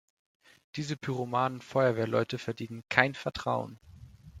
Diese pyromanen Feuerwehrleute verdienen kein Vertrauen.